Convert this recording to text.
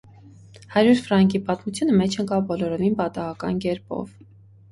Հարյուր ֆրանկի պատմությունը մեջ ընկավ բոլորովին պատահական կերպով: